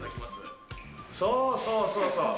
そうそうそうそう。